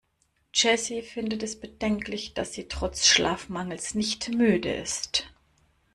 Jessy findet es bedenklich, dass sie trotz Schlafmangels nicht müde ist.